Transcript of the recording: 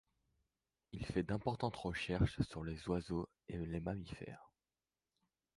Il fait d’importantes recherches sur les oiseaux et les mammifères.